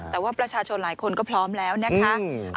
แต่ว่าประชาชนหลายคนก็พร้อมแล้วนะคะ